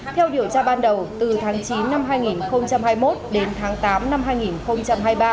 theo điều tra ban đầu từ tháng chín năm hai nghìn hai mươi một đến tháng tám năm hai nghìn hai mươi ba